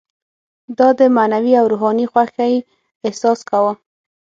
ما د معنوي او روحاني خوښۍ احساس کاوه.